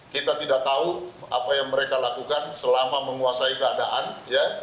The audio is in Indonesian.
kita tidak tahu apa yang mereka lakukan selama menguasai keadaan ya